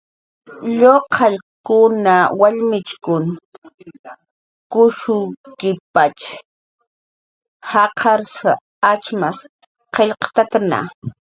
Lluqallkuna, wallmichkun kushukkipatx jaqarn atxmas qillqt'amata.